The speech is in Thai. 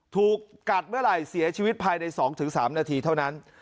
ถูกกัดเมื่อไหร่เสียชีวิตภายใน๒๓นาทีเท่านั้น